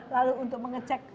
lalu untuk mengecek